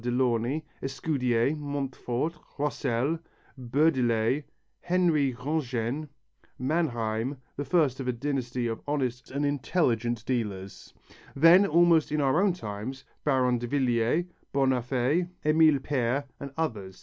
Delaunay, Escudier, Montfort, Roussel, Beurdeley, Henry Grandjean, Mannheim, the first of a dynasty of honest and intelligent dealers; then almost in our own times Baron Davilliers, Bonnaffé, Emile Peyre and others.